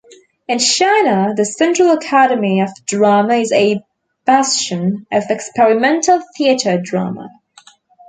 In China, The Central Academy of Drama is a bastion of experimental theater drama.